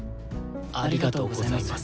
ありがとうございます。